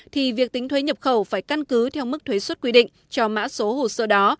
thì việc tính thuế nhập khẩu phải căn cứ theo mức thuế xuất quy định cho mã số hồ sơ đó